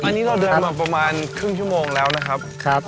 อันนี้เราเดินมาประมาณครึ่งชั่วโมงแล้วนะครับ